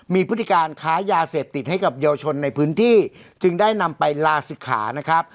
มีพฤติการค้ายาเสพติดให้กับเยาวชนในพื้นที่จึงได้นำไปลาศิกขานะครับ